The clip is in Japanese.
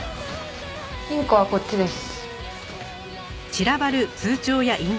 金庫はこっちです。